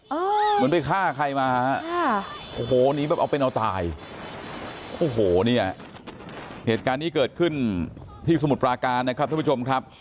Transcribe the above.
เหมือนไปฆ่าใครมาฮะค่ะโอ้โหหนีแบบเอาเป็นเอาตายโอ้โหเนี่ยเหตุการณ์นี้เกิดขึ้นที่สมุทรปราการนะครับท่านผู้ชมครับ